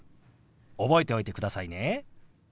覚えておいてくださいね。